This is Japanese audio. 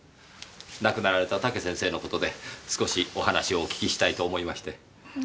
亡くなられた武先生のことで少しお話をお聞きしたいと思いまして。